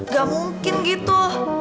gak mungkin gitu